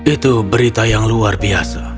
itu berita yang luar biasa